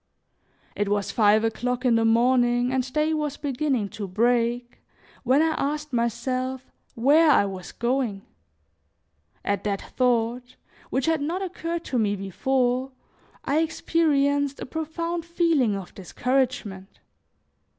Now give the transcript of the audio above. It was five o'clock in the morning and day was beginning to break, when I asked myself where I was going. At that thought, which had not occurred to me before, I experienced a profound feeling of discouragement.